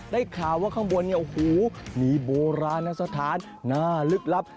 ได้ข่าวว่าข้างบนเนี่ยโอ้โหมีโบราณสถานหน้าลึกลับ